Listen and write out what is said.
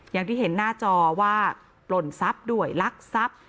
อย่างที่เห็นหน้าจอว่าปล่นทรัพย์ด้วยลักทรัพย์